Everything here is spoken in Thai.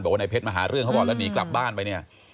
ว่าในเพชรมาหาเรื่องเขาก่อนแล้วหนีกลับบ้านไปเนี่ย